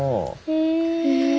へえ。